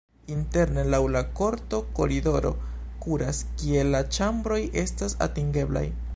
Interne laŭ la korto koridoro kuras, kie la ĉambroj estas atingeblaj.